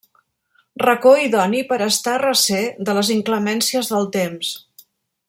Racó idoni per a estar a recer de les inclemències del temps.